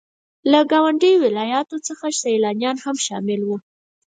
له ګاونډيو ولاياتو څخه سيلانيان هم شامل وو.